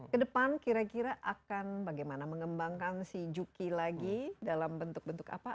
kedepan kira kira akan bagaimana mengembangkan si juki lagi dalam bentuk bentuk apa